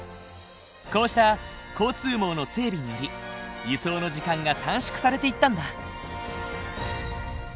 こうした交通網の整備により輸送の時間が短縮されていったんだ。